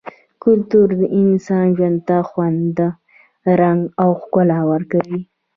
کلتور د انسان ژوند ته خوند ، رنګ او ښکلا ورکوي -